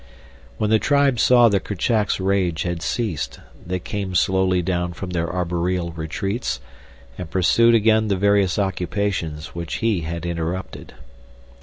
When the tribe saw that Kerchak's rage had ceased they came slowly down from their arboreal retreats and pursued again the various occupations which he had interrupted.